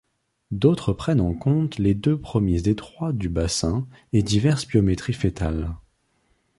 D'autres prennent en compte les deux premiers détroits du bassin et diverses biométries fœtales.